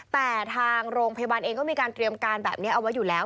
แต่ทางโรงพยาบาลเองก็มีการเตรียมการแบบนี้เอาไว้อยู่แล้ว